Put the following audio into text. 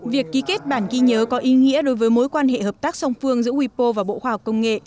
việc ký kết bản ghi nhớ có ý nghĩa đối với mối quan hệ hợp tác song phương giữa wipo và bộ khoa học công nghệ